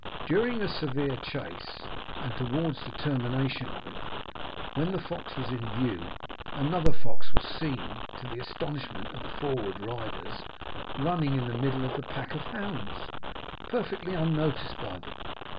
During a severe chase, and towards the termination of it, when the fox was in view, another fox was seen, to the astonishment of the forward riders, running in the middle of the pack of hounds, perfectly unnoticed by them.